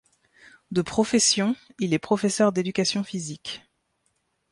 De profession, il est professeur d'éducation physique.